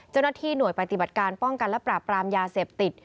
เจ้าหน้าที่หน่วยปฏิบัติการป้องกันและปราบปรามยาเสพติด